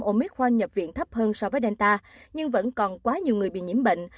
omicron nhập viện thấp hơn so với delta nhưng vẫn còn quá nhiều người bị nhiễm bệnh